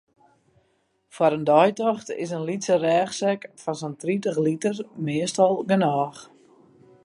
Foar in deitocht is in lytse rêchsek fan sa'n tritich liter meastal genôch.